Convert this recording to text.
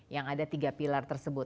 yang ada tiga pilar tersebut